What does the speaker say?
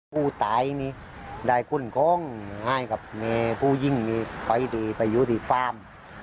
ผู้ตายเนี่ยได้คุ้นคล้องให้กับผู้ยิงไปอยู่ที่ฟาร์ม